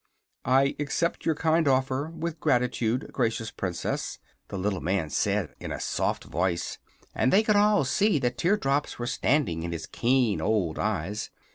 "I accept your kind offer with gratitude, gracious Princess," the little man said, in a soft voice, and they could all see that tear drops were standing in his keen old eyes.